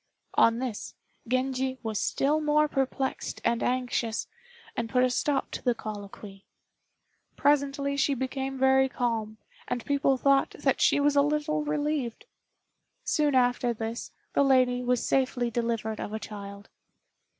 On this, Genji was still more perplexed and anxious, and put a stop to the colloquy. Presently she became very calm, and people thought that she was a little relieved. Soon after this, the lady was safely delivered of a child.